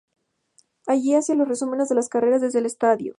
Allí hacía los resúmenes de las carreras desde el estudio.